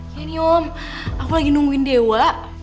iya nih om aku lagi nungguin dewa